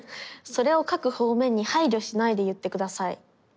「それを各方面に配慮しないで言ってください」。